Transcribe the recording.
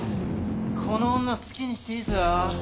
この女好きにしていいぞ